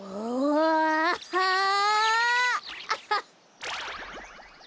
アハッ。